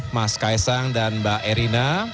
mas kaisang dan mbak erina